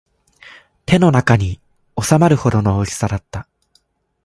手の中に収まるほどの大きさだった